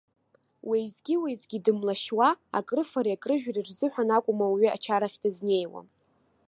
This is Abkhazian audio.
Уеизгьы-уеизгьы дымлашьуа, акрыфареи акрыжәреи рзыҳәан акәым ауаҩы ачарахь дызнеиуа.